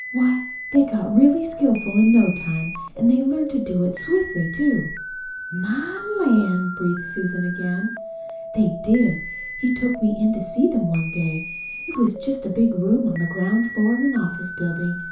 Why, they got really skillful in no time, and they learned to do it swiftly, too." "My lan'!" breathed Susan again. "They did. He took me in to see them one day. It was just a big room on the ground floor of an office building.